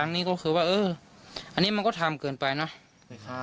ทั้งพยายามฆ่าทั้งฆ่าคนตายด้วยนะคะ